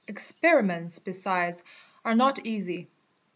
Experiments besides are not easy.